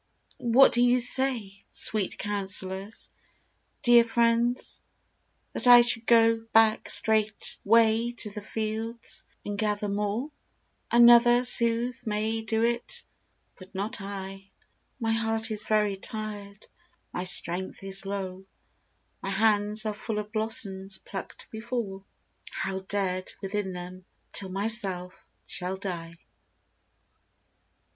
What do you say, Sweet counsellors, dear friends ?— that I should go Back straightway to the fields, and gather more ? Another, sooth, may do it, — but not I: My heart is very tired, my strength is low; My hands are full of blossoms plucked before, Held dead within them till myself shall die.